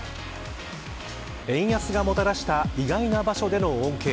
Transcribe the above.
円安がもたらした意外な場所での恩恵。